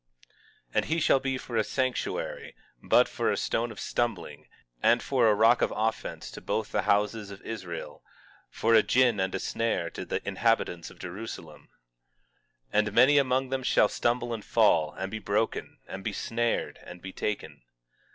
18:14 And he shall be for a sanctuary; but for a stone of stumbling, and for a rock of offense to both the houses of Israel, for a gin and a snare to the inhabitants of Jerusalem. 18:15 And many among them shall stumble and fall, and be broken, and be snared, and be taken.